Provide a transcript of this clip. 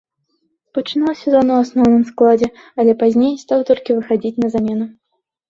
Пачынаў сезон у асноўным складзе, але пазней стаў толькі выхадзіць на замену.